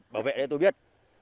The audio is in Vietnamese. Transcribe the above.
bảo vệ để tôi biết